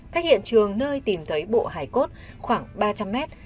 cách hiện trường nơi tìm thấy bộ hải cốt khoảng ba trăm linh mét